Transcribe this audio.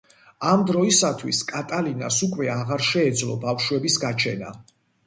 ამ დროისათვის კატალინას უკვე აღარ შეეძლო ბავშვების გაჩენა.